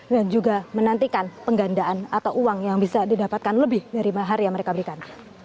dan juga menantikan penggandaan atau uang yang bisa didapatkan lebih dari mahar yang mereka berikan